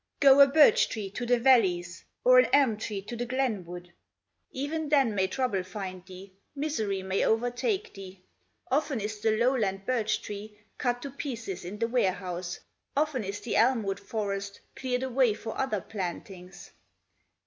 Go a birch tree to the valleys, Or an elm tree to the glenwood? Even then may trouble find thee, Misery may overtake thee; Often is the lowland birch tree Cut to pieces in the ware house; Often is the elm wood forest Cleared away for other plantings.